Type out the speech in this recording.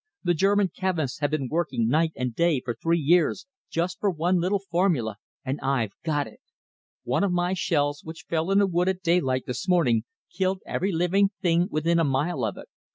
The German chemists have been working night and day for three years, just for one little formula, and I've got it! One of my shells, which fell in a wood at daylight this morning, killed every living thing within a mile of it.